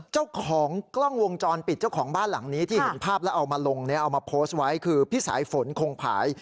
เจ้าของกล้องวงจรปิดเจ้าของบ้านหลังนี้ที่เห็นภาพแล้วเอามาลงเนี่ยเอามาโพสต์ไว้คือพี่สายฝนคงผาย